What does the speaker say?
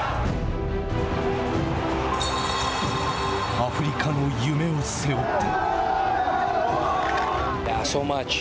アフリカの夢を背負って。